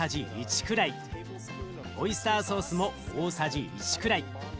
オイスターソースも大さじ１くらい。